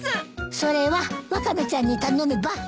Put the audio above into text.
それはワカメちゃんに頼めば？